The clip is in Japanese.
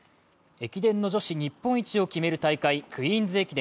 駅伝の女子日本一を決める大会、クイーンズ駅伝。